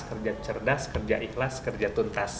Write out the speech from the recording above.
kerja cerdas kerja ikhlas kerja tuntas